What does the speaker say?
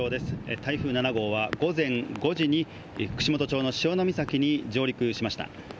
台風７号は午前５時に串本町の潮岬に上陸しました